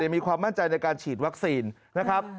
มีความมั่นใจในการฉีดวัคซีนนะครับ